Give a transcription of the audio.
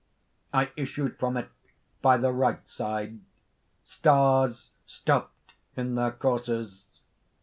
"I issued from it by the right side. Stars stopped in their courses."